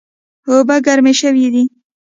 اوبه ګرمې شوې دي